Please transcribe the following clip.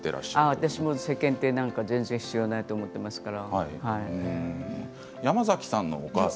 私も世間体なんて必要ないと思っていますから。